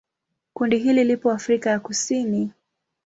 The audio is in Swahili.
Kundi hili lipo Afrika ya Kusini.